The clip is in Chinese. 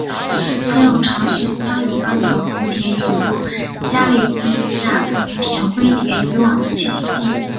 曾有尝试将有关的蝴蝶引入加利福尼亚甜灰蝶以往的栖息地。